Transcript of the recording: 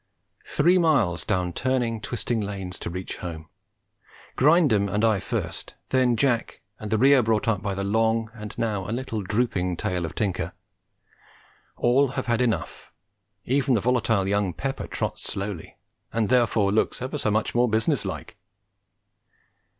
Three miles down turning twisting lanes to reach home, Grindum and I first, then Jack, and the rear brought up by the long and now a little drooping tail of Tinker. All have had enough; even the volatile young Pepper trots slowly, and therefore looks ever so much more business like.